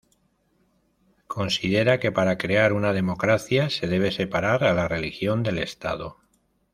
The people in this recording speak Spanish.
Considera que para crear una democracia se debe separar a la religión del Estado.